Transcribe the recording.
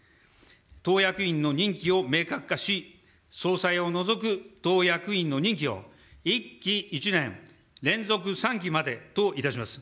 党役員の任期を明確化し、総裁を除く党役員の任期を１期１年、連続３期までといたします。